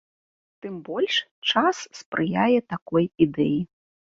Тым больш, час спрыяе такой ідэі.